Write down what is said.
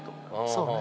そうね。